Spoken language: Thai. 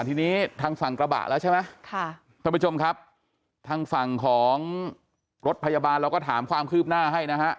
ทีนี้ทางฝั่งกระบะแล้วใช่ไหมค่ะท่านผู้ชมครับทางฝั่งของรถพยาบาลเราก็ถามความคืบหน้าให้นะฮะ